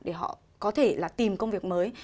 để họ có thể tìm công việc mới